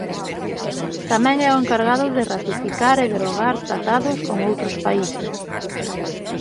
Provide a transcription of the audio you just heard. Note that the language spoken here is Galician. Tamén é o encargado de ratificar e derogar tratados con outros países.